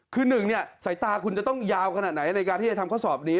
คือหนึ่งเนี่ยสายตาคุณจะต้องยาวขนาดไหนในการที่จะทำข้อสอบนี้